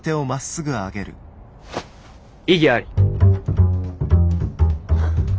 異議あり！